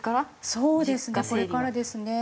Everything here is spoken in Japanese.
そうですねこれからですね。